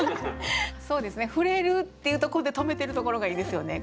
「触れる」っていうところで止めてるところがいいですよね。